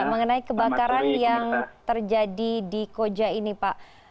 mengenai kebakaran yang terjadi di koja ini pak